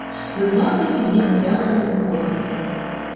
Левадний підліз прямо по колії.